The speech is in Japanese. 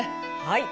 はい。